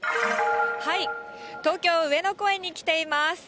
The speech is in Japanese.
東京・上野公園に来ています。